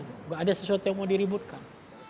tidak ada sesuatu yang mau diributkan